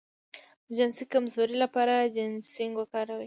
د جنسي کمزوری لپاره جنسینګ وکاروئ